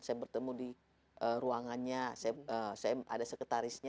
saya bertemu di ruangannya saya ada sekretarisnya